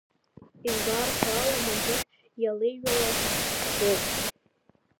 Изларҳәо ала, Мадрид аилаҩеилас ӷәӷәоуп.